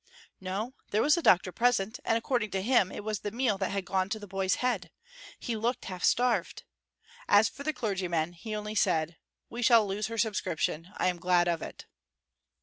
No, there was a doctor present, and according to him it was the meal that had gone to the boy's head; he looked half starved. As for the clergyman, he only said: "We shall lose her subscription; I am glad of it."